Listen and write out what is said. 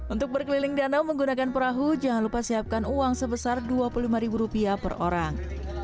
untuk berkeliling danau menggunakan perahu jangan lupa siapkan uang sebesar dua puluh lima ribu rupiah per orang